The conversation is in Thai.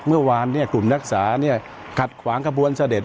เมื่อวานกลุ่มนักศึกษาขัดขวางขบวนเสด็จ